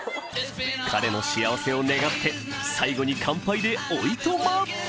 彼の幸せを願って最後に乾杯でおいとま！